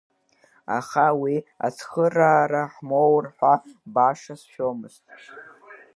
Аха уи ацхыраара ҳмоур ҳәа баша сшәомызт.